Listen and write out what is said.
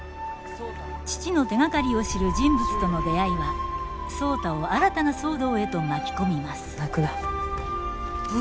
父の手がかりを知る人物との出会いは壮多を新たな騒動へと巻き込みます。